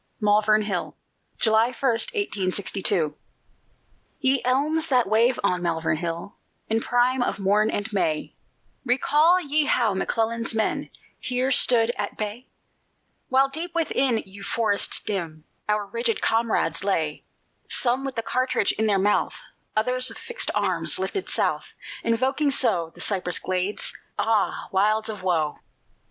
MALVERN HILL [July 1, 1862] Ye elms that wave on Malvern Hill In prime of morn and May, Recall ye how McClellan's men Here stood at bay? While deep within yon forest dim Our rigid comrades lay Some with the cartridge in their mouth, Others with fixed arms lifted South Invoking so The cypress glades? Ah wilds of woe!